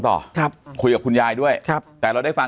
แต่คุณยายจะขอย้ายโรงเรียน